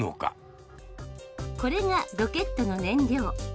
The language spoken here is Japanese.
これがロケットの燃料。